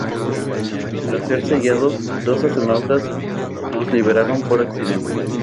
Tras ser sellados, dos astronautas los liberaron por accidente.